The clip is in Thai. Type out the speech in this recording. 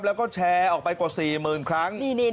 แล้วก็แชร์ออกไปกว่า๔๐๐๐ครั้ง